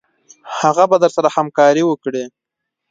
هغه به درسره همکاري وکړي.